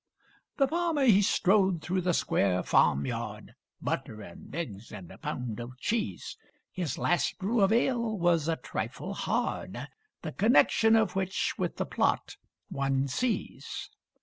The farmer he strode through the square farmyard; (Butter and eggs and a pound of cheese) His last brew of ale was a trifle hard The connection of which with the plot one sees.